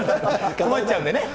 困っちゃうんでね。